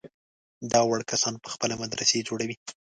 دا وړ کسان په خپله مدرسې جوړوي.